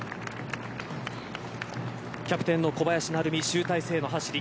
キャプテンの小林成美集大成の走り。